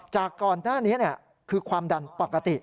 จากก่อนหน้านี้คือความดันปกติ